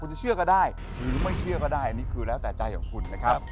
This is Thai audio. คุณจะเชื่อก็ได้หรือไม่เชื่อก็ได้อันนี้คือแล้วแต่ใจของคุณนะครับ